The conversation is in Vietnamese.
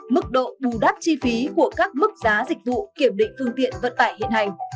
mức độ bù đắp chi phí của các mức giá dịch vụ kiểm định phương tiện vận tải hiện hành